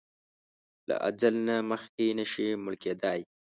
له اځل نه مخکې نه شې مړ کیدای!